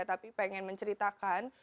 tapi pengen menceritakan